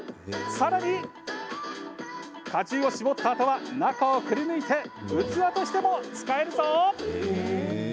さらに果汁を搾ったあとは中をくりぬいて器としても使えるぞ。